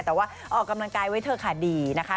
แต่ว่าออกกำลังกายไว้เถอะค่ะดีนะคะ